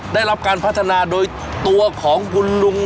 ได้รับการพัฒนาโดยตัวของคุณลุง